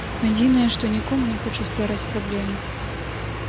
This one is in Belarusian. Адзінае, што нікому не хачу ствараць праблему.